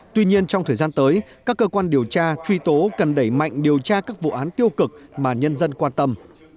tuy nhiên trong thời gian tới các cơ quan điều tra truy tố cần đẩy mạnh điều tra các vụ án tiêu cực mà nhân dân quan tâm